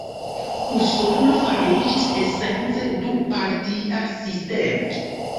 Usono fariĝis esence du-partia sistemo.